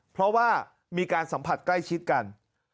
เพราะว่ามีการสัมผัสใกล้ชิดกัน